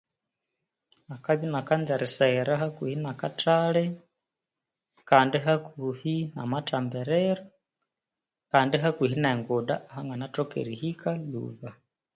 Akabya inakanza eriseghera hakuhi nakathali kandi hakuhi namathambiriro kandi hakuhi nenguda ahanganathoka erihika lhuba.